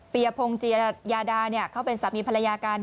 ยพงศ์จีรยาดาเขาเป็นสามีภรรยากัน